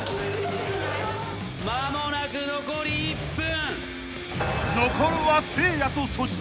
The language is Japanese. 間もなく残り１分。